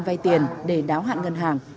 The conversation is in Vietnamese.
vay tiền để đáo hạn ngân hàng